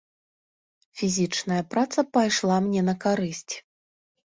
Фізічная праца пайшла мне на карысць.